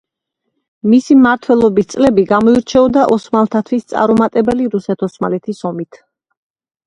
მისი მმართველობის წლები გამოირჩეოდა ოსმალთათვის წარუმატებელი რუსეთ-ოსმალეთის ომით.